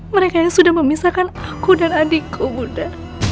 mereka yang sudah memisahkan aku dan adikku buddha